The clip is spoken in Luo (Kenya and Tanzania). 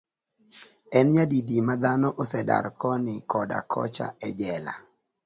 En nyadidi ma dhano osedar koni koda kocha e jela.